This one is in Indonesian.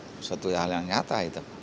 sesuatu hal yang nyata itu